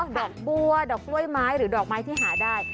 ดอกบัวดอกกล้วยไม้หรือดอกไม้ที่หาได้